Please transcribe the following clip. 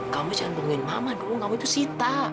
kamu jangan bohongin mama dulu kamu itu sita